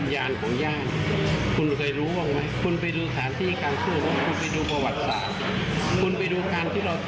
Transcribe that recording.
ยอมไม่ได้จริงค่ะ